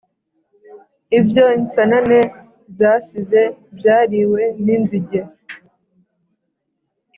Ibyo insanane zasize, byariwe n’inzige;